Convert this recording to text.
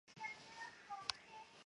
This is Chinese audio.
恩贾梅纳。